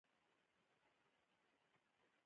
د هرې خښتې وزن دوه اعشاریه پنځه ټنه دی.